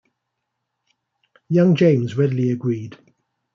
Young James readily agreed.